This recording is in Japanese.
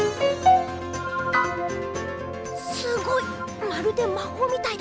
すごい！まるでまほうみたいだ。